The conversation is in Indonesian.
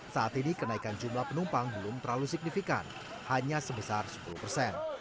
saat ini kenaikan jumlah penumpang belum terlalu signifikan hanya sebesar sepuluh persen